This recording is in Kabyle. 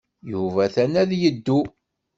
Yuba atan ad yeddu.